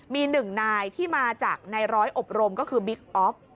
มีหนึ่งนายที่มาจากในร้อยอบรมก็คือบิ๊กอ๊อฟ